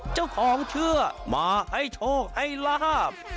เจ้าของเชื่อมาให้โชคให้ลาบ